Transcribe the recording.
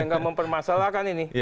nggak mempermasalahkan ini